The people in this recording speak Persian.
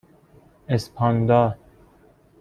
اسپاندا